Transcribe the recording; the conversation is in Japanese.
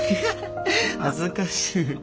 恥ずかしい。